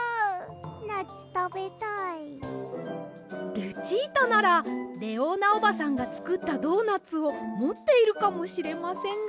ルチータならレオーナおばさんがつくったドーナツをもっているかもしれませんが。